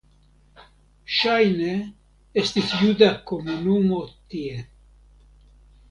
Ŝajne estis juda komunumo tie.